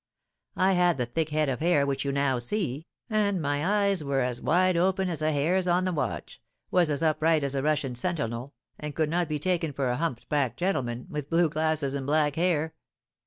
I had the thick head of hair which you now see, and my eyes were as wide open as a hare's on the watch, was as upright as a Russian sentinel, and could not be taken for a humpbacked gentleman, with blue glasses and black hair.